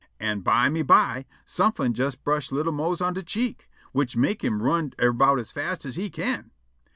An' byme by somefin' jes brush' li'l' Mose on de cheek, which mek' him run erbout as fast as he can.